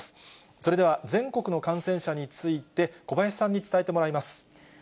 それでは、全国の感染者について小林さんに伝えてもらいます。